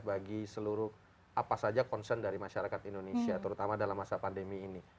bagi seluruh apa saja concern dari masyarakat indonesia terutama dalam masa pandemi ini